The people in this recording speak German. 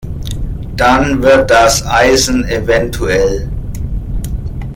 Dann wird das Eisen evtl.